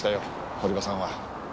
堀場さんは。